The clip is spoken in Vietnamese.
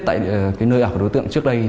tại nơi ở của đối tượng trước đây